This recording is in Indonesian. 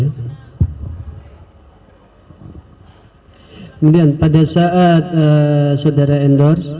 kemudian pada saat saudara endorse